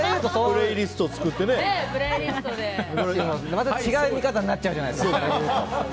また違う見方になっちゃうじゃないですか。